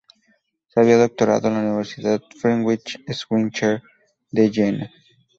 Se había doctorado en la Universidad Friedrich Schiller, de Jena.